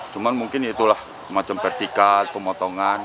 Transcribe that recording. cuman mungkin itulah macam vertikat pemotongan